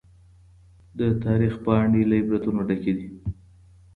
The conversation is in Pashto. د تاريخ پاڼي له عبرتونو ډکي دي.